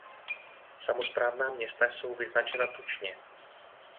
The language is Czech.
Samosprávná města jsou vyznačena tučně.